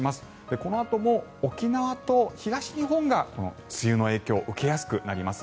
このあとも沖縄と東日本が梅雨の影響を受けやすくなります。